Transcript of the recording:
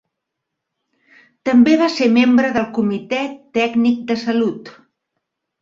També va ser membre del Comitè Tècnic de Salut.